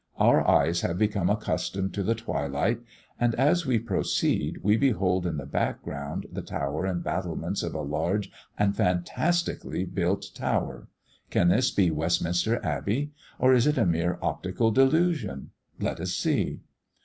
Our eyes have become accustomed to the twilight, and as we proceed we behold, in the background, the tower and battlements of a large and fantastically built tower. Can this be Westminster Abbey, or is it a mere optical delusion? Let us see.